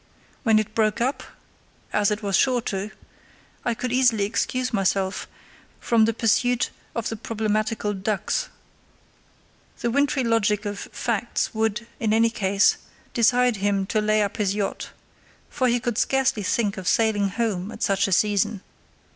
When it broke up, as it was sure to, I could easily excuse myself from the pursuit of the problematical ducks; the wintry logic of facts would, in any case, decide him to lay up his yacht, for he could scarcely think of sailing home at such a season.